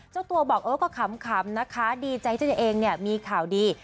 เจ้าตัวบอกเออก็ขำนะคะดีใจที่ตัวเองเนี่ยมีข่าวดี